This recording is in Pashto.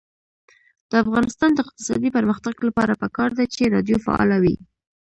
د افغانستان د اقتصادي پرمختګ لپاره پکار ده چې راډیو فعاله وي.